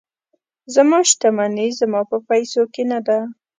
زما شتمني زما په پیسو کې نه ده.